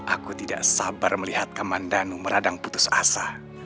aku tidak sabar melihat kaman danu meradang putus asa